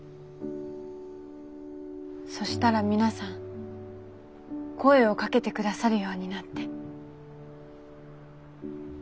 そしたら皆さん声をかけて下さるようになって。